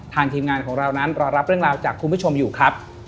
ทีมงานของเรานั้นรอรับเรื่องราวจากคุณผู้ชมอยู่ครับ